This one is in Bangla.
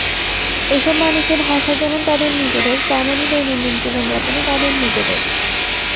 এসব মানুষের ভাষা যেমন তাদের নিজেদের, তেমনই দৈনন্দিন জীবনযাপনও তাদের নিজেদের।